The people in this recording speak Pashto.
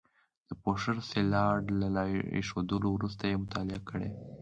د پوښښ سلایډ له ایښودلو وروسته یې مطالعه کړئ.